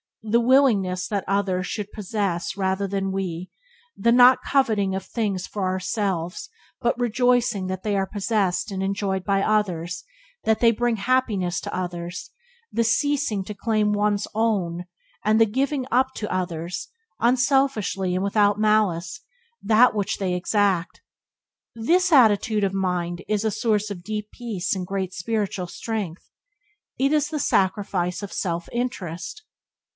The willingness that others should possess rather than we; the not coveting of things for ourselves but rejoicing that they are possessed and enjoyed by others, that they bring happiness to others; the ceasing to claim one's "own", and the giving up to others, unselfishly and without malice, that which they exact. This attitude of mind is a source of deep peace and great spiritual strength. It is Byways to Blessedness by James Allen 26 the sacrifice of self interest.